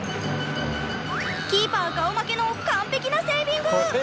キーパー顔負けの完璧なセービング！